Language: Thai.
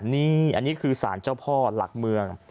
นี่อันนี้คือสารเจ้าพ่อหลักเมือง